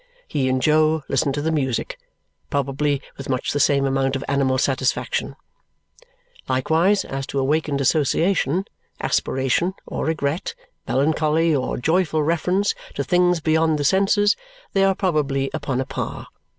He and Jo listen to the music, probably with much the same amount of animal satisfaction; likewise as to awakened association, aspiration, or regret, melancholy or joyful reference to things beyond the senses, they are probably upon a par.